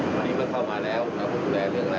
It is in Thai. ตอนนี้มันเข้ามาแล้วเราต้องดูแลเรื่องอะไร